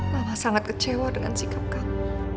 mama sangat kecewa dengan sikap kami